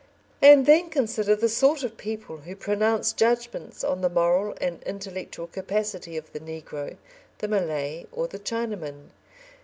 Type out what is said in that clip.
And then consider the sort of people who pronounce judgments on the moral and intellectual capacity of the negro, the Malay, or the Chinaman.